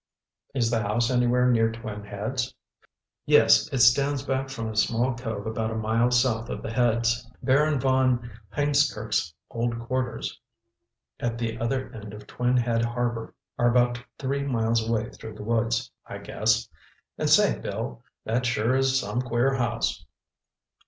"Is the house anywhere near Twin Heads?" "Yes, it stands back from a small cove about a mile south of the Heads. Baron von Hiemskirk's old quarters at the other end of Twin Head Harbor are about three miles away through the woods, I guess. And say, Bill, that sure is some queer house!"